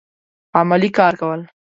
عملي کار کول